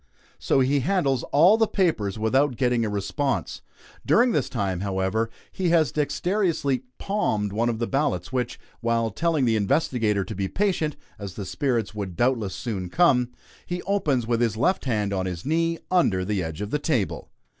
So he handles all the papers without getting a response. During this time, however, he has dexterously "palmed" one of the ballots, which while telling the investigator to be patient, as the spirits would doubtless soon come he opens with his left hand, on his knee, under the edge of the table.